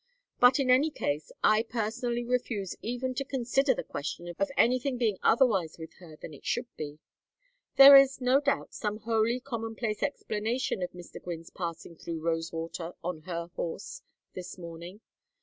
But in any case I personally refuse even to consider the question of anything being otherwise with her than it should be. There is, no doubt, some wholly commonplace explanation of Mr. Gwynne's passing through Rosewater on her horse this morning.